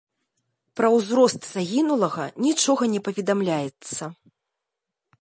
Пра ўзрост загінулага нічога не паведамляецца.